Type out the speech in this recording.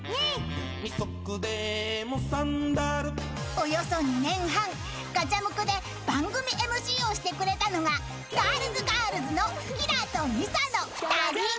［およそ２年半『ガチャムク』で番組ＭＣをしてくれたのがＧｉｒｌｓ２のキラとミサの２人］